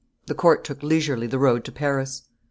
The court took leisurely the road to Paris.